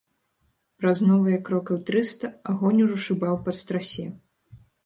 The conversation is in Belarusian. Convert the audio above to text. Праз новыя крокаў трыста агонь ужо шыбаў па страсе.